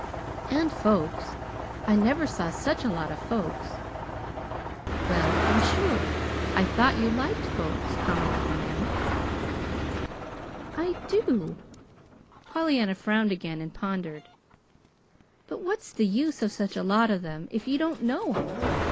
And folks. I never saw such a lot of folks." "Well, I'm sure I thought you liked folks," commented the man. "I do." Pollyanna frowned again and pondered. "But what's the use of such a lot of them if you don't know 'em?